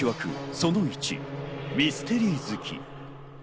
その１、ミステリー好き。